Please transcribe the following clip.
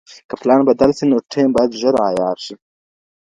که پلان بدل شي نو ټیم باید ژر عیار شي.